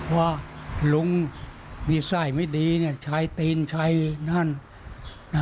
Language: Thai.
ว่าหลุงมีใส่ไม่ดีใช้ตีนใช้นั่น